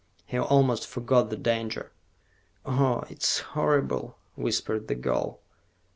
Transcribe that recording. He almost forgot the danger. "Oh, it's horrible," whispered the girl.